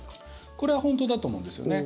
これは本当だと思うんですよね。